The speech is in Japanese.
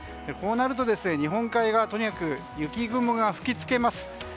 こうなると日本海側とにかく雪雲が吹き付けます。